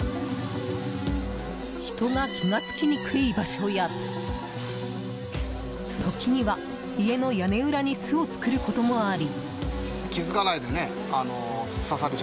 人が気が付きにくい場所や時には、家の屋根裏に巣を作ることもあり。